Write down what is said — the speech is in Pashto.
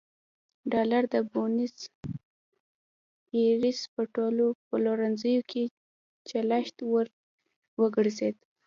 ډالر د بونیس ایرس په ټولو پلورنځیو کې چلښت وړ وګرځېد.